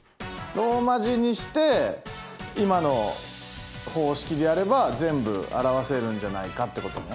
ローマ字にして今の方式でやれば全部表せるんじゃないかってことね。